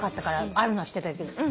あるのは知ってたけど。